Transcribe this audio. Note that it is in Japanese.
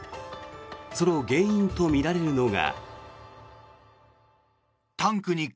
その原因とみられるのが。